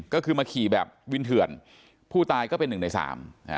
ก็คือมาขี่แบบวินเถื่อนผู้ตายก็เป็นหนึ่งในสามอ่า